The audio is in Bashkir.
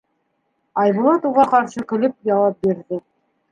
Айбулат уға ҡаршы көлөп яуап бирҙе: